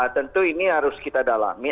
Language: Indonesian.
tentu ini harus kita dalami